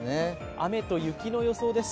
雨と雪の予想です。